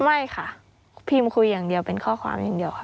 ไม่ค่ะพิมพ์คุยอย่างเดียวเป็นข้อความอย่างเดียวค่ะ